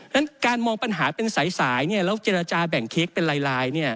ฉะการมองปัญหาเป็นสายแล้วเจรจาแบ่งเค้กเป็นลาย